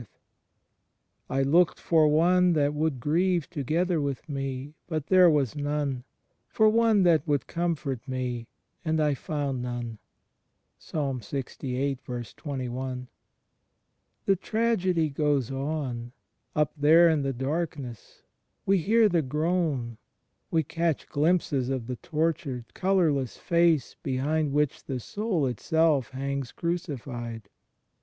CHRIST IN mS HISTORICAL LIFE 135 "I looked for one that would grieve together with me, but there was none: for one that would comfort me, and I foimd none."*. .. The tragedy goes on, up there in the darkness: we hear the groan; we catch glimpses of the tortured, colourless Face behind which the Soul itself hangs crucified